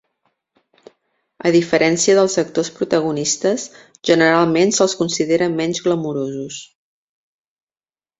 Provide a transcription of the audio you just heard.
A diferència dels actors protagonistes, generalment se'ls considera menys glamurosos.